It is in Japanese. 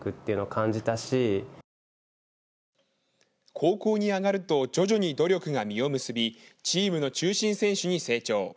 高校に上がると徐々に努力が実を結びチームの中心選手に成長。